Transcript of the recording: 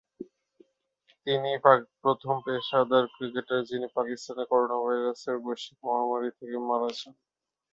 তিনিই প্রথম পেশাদার ক্রিকেটার যিনি পাকিস্তানে করোনাভাইরাসের বৈশ্বিক মহামারী থেকে মারা যান।